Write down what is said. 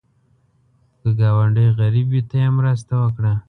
که ګاونډی غریب وي، ته یې مرسته وکړه